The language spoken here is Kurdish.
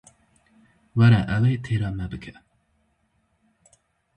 Were ew ê têra me bike.